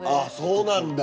そうなんだ。